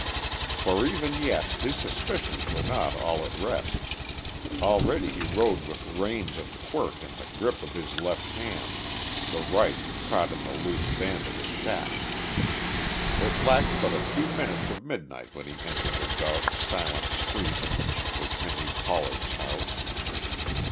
For even yet his suspicions were not all at rest, already he rode with reins and quirt in the grip of his left hand, the right caught in the loose band of his chaps. It lacked but a few minutes of midnight when he entered the dark, silent street in which was Henry Pollard's house.